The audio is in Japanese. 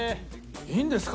いいんですか？